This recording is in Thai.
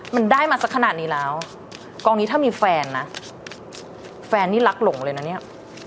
มันได้มาสักขนาดนี้แล้วกองนี้ถ้ามีแฟนนะแฟนนี่รักหลงเลยนะเนี่ย